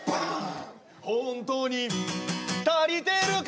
「本当に足りてるか！」